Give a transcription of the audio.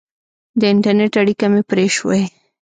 د انټرنېټ اړیکه مې پرې شوې.